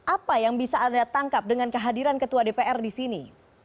apa yang bisa anda tangkap dengan kehadiran ketua dpr di sini